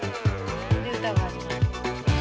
で歌が始まる。